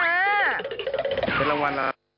เป็นรางวัลล่ะ